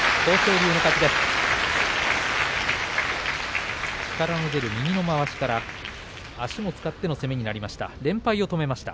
力の出る右のまわしから足も使っての攻めになりました。